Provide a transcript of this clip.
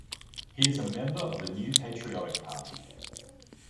He is member of the New Patriotic Party.